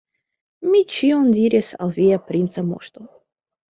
Mi ĉion diris al via princa moŝto.